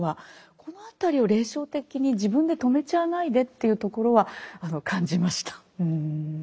この辺りを冷笑的に自分で止めちゃわないでというところは感じました。